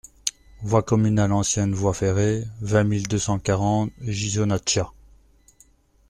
Voie Communale Ancienne Voie Ferrée, vingt mille deux cent quarante Ghisonaccia